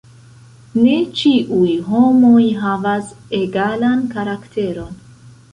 Ne ĉiuj homoj havas egalan karakteron!